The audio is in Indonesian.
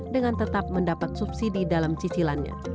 dengan tetap mendapat subsidi dalam cicilannya